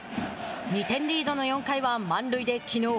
２点リードの４回は満塁できのう